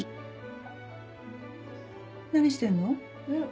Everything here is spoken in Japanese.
何してんの？